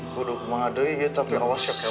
kuduk mah ada ya tapi awas ya kemau